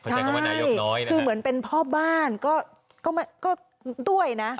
ใช่คือเหมือนเป็นพ่อบ้านก็ด้วยนะ